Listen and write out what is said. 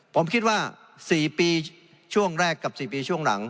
ผมคิดว่า๔ปีช่วงแรกกับ๔ปีช่วงหลัง